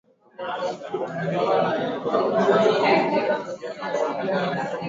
kusafiri hadi Somalia kutoka nchi jirani baada ya maafisa kutengua uamuzi ambao maafisa wanalaumu